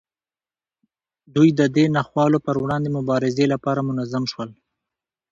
دوی د دې ناخوالو پر وړاندې مبارزې لپاره منظم شول.